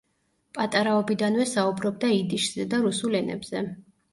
პატარაობიდანვე საუბრობდა იდიშზე და რუსულ ენებზე.